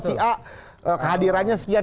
si a hadirannya sekian